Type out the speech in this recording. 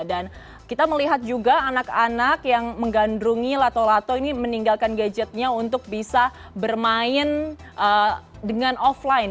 dan kita melihat juga anak anak yang menggandrungi lato lato ini meninggalkan gadgetnya untuk bisa bermain dengan offline